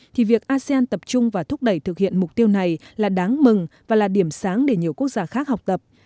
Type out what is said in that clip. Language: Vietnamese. thì việc asean tập trung và thúc đẩy thực hiện mục tiêu này là đáng mừng và là điểm sáng để nhiều quốc gia khác học tập